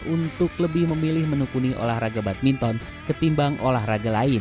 untuk lebih memilih menekuni olahraga badminton ketimbang olahraga lain